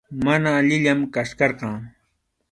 Mana allinllañam kachkarqan.